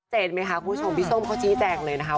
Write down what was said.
ไหมคะคุณผู้ชมพี่ส้มเขาชี้แจงเลยนะคะ